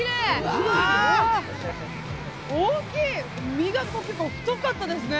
身が結構太かったですね。